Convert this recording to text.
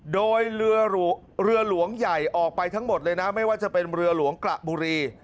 โดยเรือหลวงใหญ่ออกไปทั้งหมดเลยนะไม่ว่าจะเป็นเรือหลวงกระบุรี